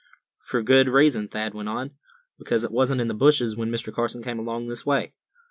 "For a good reason," Thad went on; "because it wasn't in the bushes when Mr. Carson came along this way."